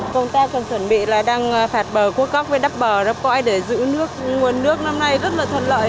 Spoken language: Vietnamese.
công tác còn chuẩn bị là đang phạt bờ cuối cốc với đắp bờ đắp cõi để giữ nước nguồn nước năm nay rất là thân lợi